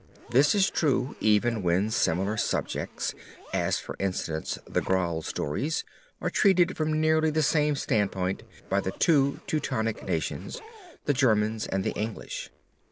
This is true even when similar subjects, as for instance the Graal stories, are treated from nearly the same standpoint by the two Teutonic nations, the Germans and the English.